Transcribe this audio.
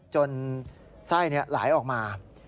จนไส้นี้หลายออกมา